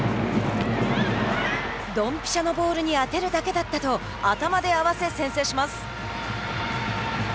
ドンピシャのボールに当てるだけだったと頭で合わせ先制します。